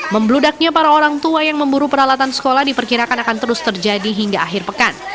membludaknya para orang tua yang memburu peralatan sekolah diperkirakan akan terus terjadi hingga akhir pekan